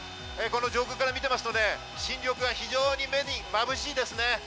上空から見ていますと、深緑が非常に目にまぶしいですね。